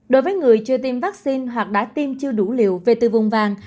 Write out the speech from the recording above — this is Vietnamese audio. đối với người chưa tiêm vaccine hoặc đã tiêm chưa đủ liều về từ vùng vàng